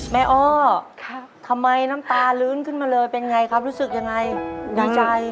อ้อทำไมน้ำตาลื้นขึ้นมาเลยเป็นไงครับรู้สึกยังไงดีใจ